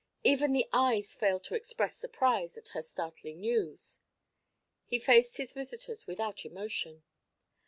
Even the eyes failed to express surprise at her startling news. He faced his visitors without emotion.